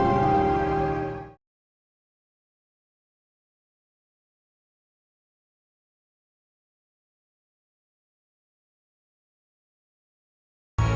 kalau gua kena kaburye